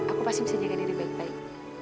aku pasti bisa jaga diri baik baik